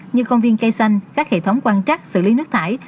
như công viên cây xanh các hệ thống quan trắc xử lý nước thải